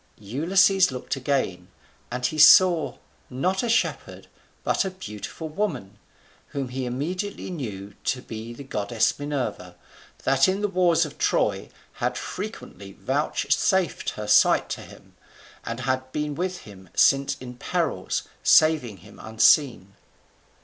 Ulysses looked again; and he saw, not a shepherd, but a beautiful woman, whom he immediately knew to be the goddess Minerva, that in the wars of Troy had frequently vouchsafed her sight to him; and had been with him since in perils, saving him unseen.